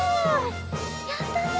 やったね！